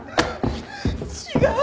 違う！